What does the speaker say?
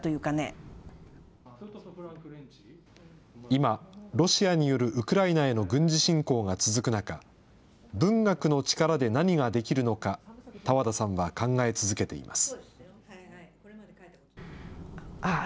今、ロシアによるウクライナへの軍事侵攻が続く中、文学の力で何ができるのか、多和田さんは考え続けています。